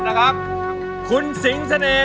นะครับคุณสิงเสน่ห